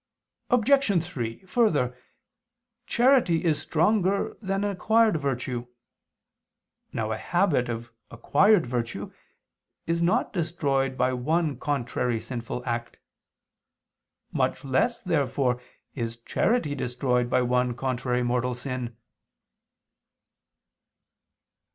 Obj. 3: Further, charity is stronger than an acquired virtue. Now a habit of acquired virtue is not destroyed by one contrary sinful act. Much less, therefore, is charity destroyed by one contrary mortal sin.